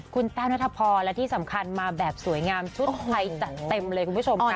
คุณแต้วนัทพรและที่สำคัญมาแบบสวยงามชุดไทยจัดเต็มเลยคุณผู้ชมค่ะ